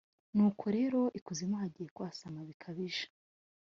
Nuko rero, ikuzimu hagiye kwasama bikabije,